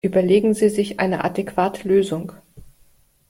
Überlegen Sie sich eine adäquate Lösung!